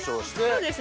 そうですね。